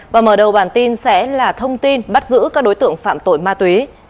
và mở đầu bản tin sẽ là thông tin bắt giữ các đối tượng phạm tội ma túy